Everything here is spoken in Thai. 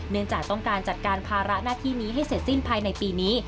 จากต้องการจัดการภาระหน้าที่นี้ให้เสร็จสิ้นภายในปีนี้